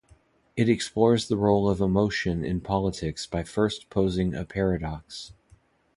It explores the role of emotion in politics by first posing a paradox.